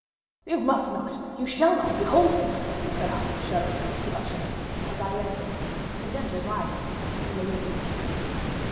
"You must not—you shall not behold this!" said I, shudderingly, to Usher, as I led him, with a gentle violence, from the window to a seat.